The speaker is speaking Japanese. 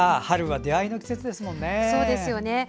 春は出会いの季節ですもんね。